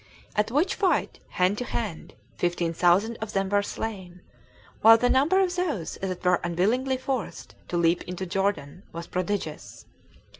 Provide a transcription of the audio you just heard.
At which fight, hand to hand, fifteen thousand of them were slain, while the number of those that were unwillingly forced to leap into Jordan was prodigious.